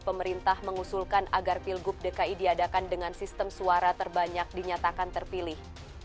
pemerintah mengusulkan agar pilgub dki diadakan dengan sistem suara terbanyak dinyatakan terpilih